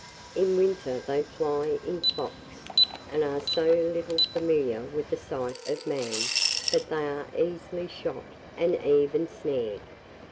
In winter they fly in flocks, and are so little familiar with the sight of man, that they are easily shot, and even snared.